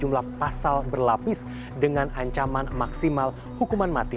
jumlah pasal berlapis dengan ancaman maksimal hukuman mati